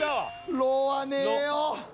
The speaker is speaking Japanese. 「ろ」はねえよ。